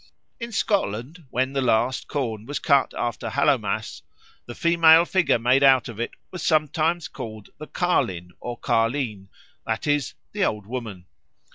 In Scotland, when the last corn was cut after Hallowmas, the female figure made out of it was sometimes called the Carlin or Carline, that is, the Old Woman.